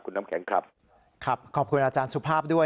คุณน้ำแข็งครับครับขอบคุณอาจารย์สุภาพด้วย